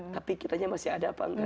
tapi kitanya masih ada apa enggak